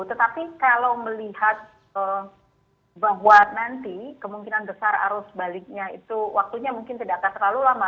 tetapi kalau melihat bahwa nanti kemungkinan besar arus baliknya itu waktunya mungkin tidak akan terlalu lama